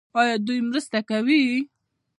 آیا دوی مرسته کوي؟